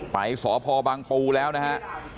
ไปสพบังปูแล้วนะฮะ